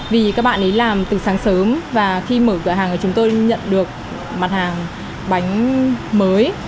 vì các bạn ấy làm từ sáng sớm và khi mở cửa hàng của chúng tôi nhận được mặt hàng bánh mới